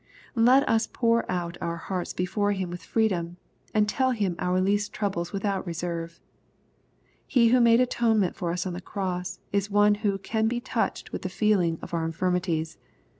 — Let us pour oi^tmir hearts before him with free dom, and tell Him our least troubles without reserve. He who made atonement for us on the cross is one M\o "can be touched with the feeling of our infirmities."